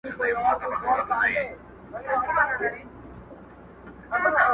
• يو يمه خو.